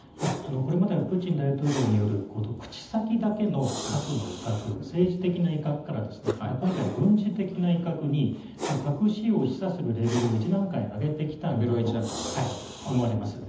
これまでのプーチン大統領による口先だけの核の威嚇、政治的な威嚇から今回、軍事的な威嚇に核使用を示唆するレベルを１段階上げてきたんだと思われます。